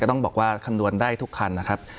ต้องบอกว่าคำนวณได้ทุกคันนะครับ